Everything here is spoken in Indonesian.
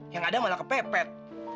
yang ada malah kepepet